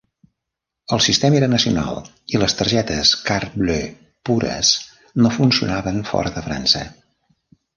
El sistema era nacional i les targetes Carte Bleue pures no funcionaven fora de França.